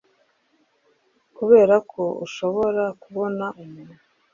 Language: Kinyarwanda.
kubera ko ushobora kubona umuntu